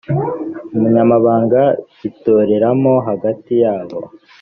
umunyamabanga bitoreramo hagati yabo